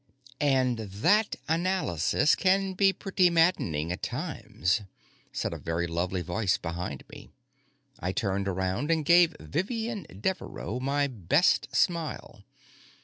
"And that analysis can be pretty maddening at times," said a very lovely voice behind me. I turned around and gave Vivian Deveraux my best smile.